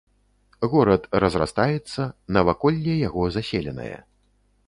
Горад разрастаецца, наваколле яго заселенае.